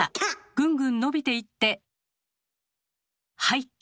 ぐんぐん伸びていって入った！